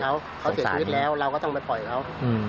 เขาเสียชีวิตแล้วเราก็ต้องไปปล่อยเขา